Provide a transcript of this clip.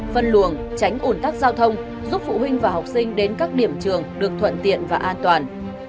phân luồng tránh ủn tắc giao thông giúp phụ huynh và học sinh đến các điểm trường được thuận tiện và an toàn